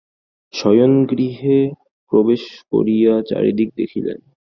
শয়নগৃহে প্রবেশ করিয়া চারিদিক দেখিলেন।